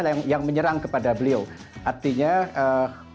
tapi mungkin saya ingin memberikan catatan lain sebagai orang yang menonton